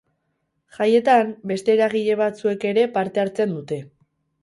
Jaietan, beste eragile batzuek ere parte hartzen dute.